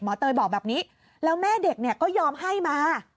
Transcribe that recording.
หมอเตยบอกแบบนี้แล้วแม่เด็กก็ยอมให้มา